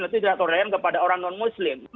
itu tidak toleran kepada orang non muslim